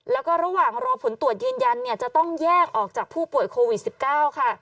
แล้วก็ระหว่างรอผลตรวจยืนยันเนี่ยจะต้องแยกออกจากผู้ป่วยโควิด๑๙ค่ะ